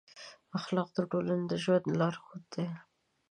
اخلاق د ټولنې د ژوند لارښود دي.